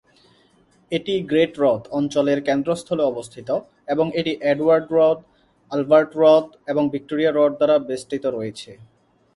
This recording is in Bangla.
এটি গ্রেট হ্রদ অঞ্চলের কেন্দ্রস্থলে অবস্থিত এবং এটি অ্যাডওয়ার্ড হ্রদ, অ্যালবার্ট হ্রদ এবং ভিক্টোরিয়া হ্রদ দ্বারা বেষ্টিত রয়েছে।